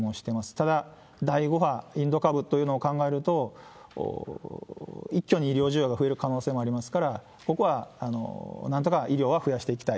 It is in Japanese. ただ、第５波、インド株というのを考えると、一挙に医療需要が増える可能性がありますから、ここはなんとか医療は増やしていきたい。